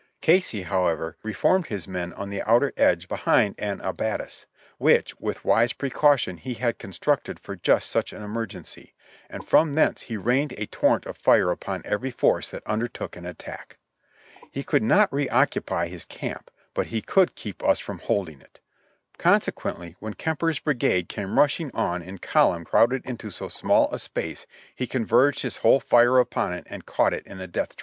Casey, however, reformed his men on the outer edge behind an abattis, which with wise pre caution he had constructed for just such an emergency, and from thence he rained a torrent of fire upon every force that undertook an attack. He could not reoccupy his camp, but he could keep us from holding it ; consequently, when Kemper's brigade came rusliing on in column crowded into so small a space, he converged his whole fire upon it and caught it in a death trap.